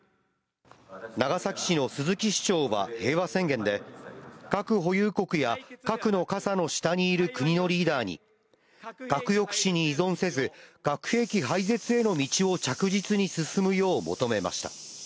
長崎市の鈴木市長は平和宣言で、核保有国や核の傘の下にいる国のリーダーに、核抑止に依存せず、核兵器廃絶への道を着実に進むよう求めました。